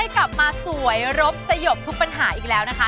กลับมาสวยรบสยบทุกปัญหาอีกแล้วนะคะ